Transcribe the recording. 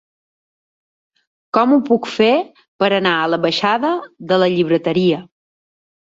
Com ho puc fer per anar a la baixada de la Llibreteria?